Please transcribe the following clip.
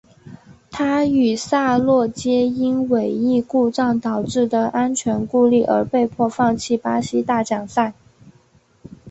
他与萨洛皆因尾翼故障导致的安全顾虑而被迫放弃巴西大奖赛。